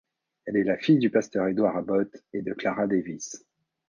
Elle est la fille du pasteur Edward Abbott et de Clara Davis.